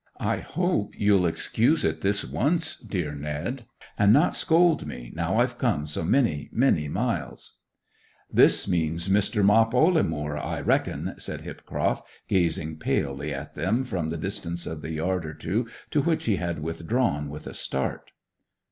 I hope you'll excuse it this once, dear Ned, and not scold me, now I've come so many, many miles!' 'This means Mr. Mop Ollamoor, I reckon!' said Hipcroft, gazing palely at them from the distance of the yard or two to which he had withdrawn with a start.